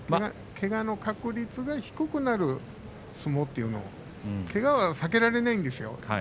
けがの確率が低くなる相撲というのをけがは避けられないんですよ